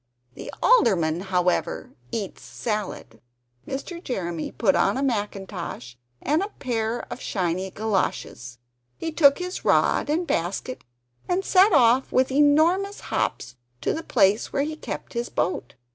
The Alderman, however, eats salad." Mr. Jeremy put on a mackintosh, and a pair of shiny galoshes; he took his rod and basket, and set off with enormous hops to the place where he kept his boat.